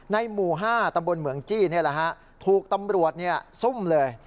หมู่๕ตำบลเหมืองจี้นี่แหละฮะถูกตำรวจซุ่มเลย